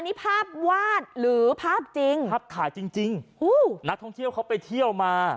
นี่ภาพวาดหรือภาพจริงภาพถ่ายจริงจริงอู้นักท่องเที่ยวเขาไปเที่ยวมา